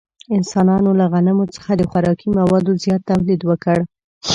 انسانانو له غنمو څخه د خوراکي موادو زیات تولید وکړ.